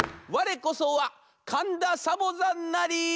われこそはかんだサボざんなり」。